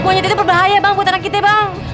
monyet itu berbahaya bang buat anak kita bang